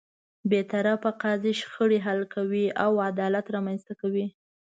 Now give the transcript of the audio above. بېطرفه قاضی شخړې حل کوي او عدالت رامنځته کوي.